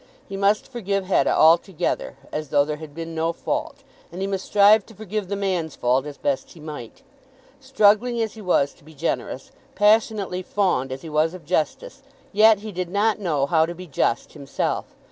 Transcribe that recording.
He must forgive Hetta altogether, as though there had been no fault; and he must strive to forgive the man's fault as best he might. Struggling as he was to be generous, passionately fond as he was of justice, yet he did not know how to be just himself.